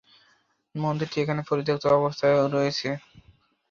মন্দিরটি এখন পরিত্যক্ত অবস্থায় রয়েছে।